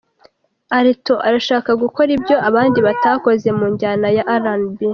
Alto arasha gukora ibyo abandi batakoze mu njyana ya RnB.